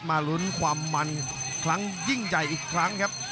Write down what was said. มาลุ้นความมันครั้งยิ่งใหญ่อีกครั้งครับ